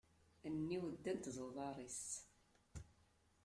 Allen-iw ddant d uḍar-is.